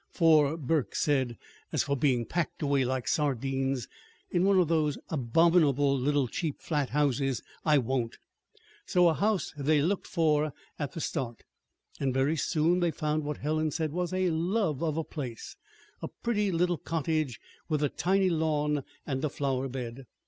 "For," Burke said, "as for being packed away like sardines in one of those abominable little cheap flat houses, I won't!" So a house they looked for at the start. And very soon they found what Helen said was a "love of a place" a pretty little cottage with a tiny lawn and a flower bed.